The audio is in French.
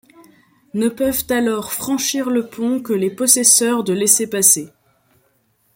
Ne peuvent alors franchir le pont que les possesseurs de laisser-passer.